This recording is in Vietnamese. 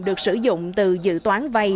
được sử dụng từ dự toán vay